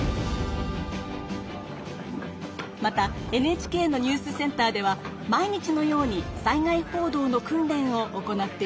またＮＨＫのニュースセンターでは毎日のように災害報道の訓練を行っています。